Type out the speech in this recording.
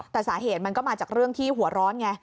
แต่สาเหตุมันก็มาจากเรื่องที่หัวร้อนไง